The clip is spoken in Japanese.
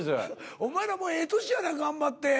お前らもええ年やないか頑張って。